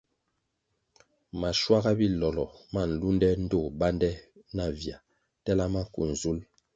Maschuaga bilolo ma nlunde ndtoh bande navia tela maku nzul.